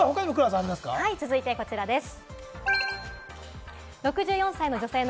続いてこちらです。